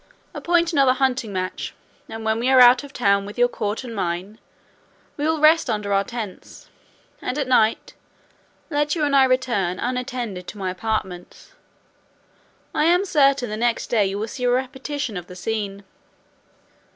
Appoint another hunting match, and when we are out of town with your court and mine, we will rest under our tents, and at night let you and I return unattended to my apartments. I am certain the next day you will see a repetition of the scene."